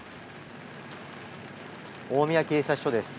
大宮警察署です。